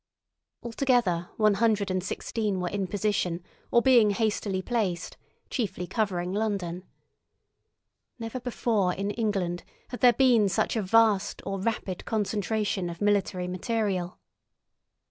Altogether one hundred and sixteen were in position or being hastily placed, chiefly covering London. Never before in England had there been such a vast or rapid concentration of military material.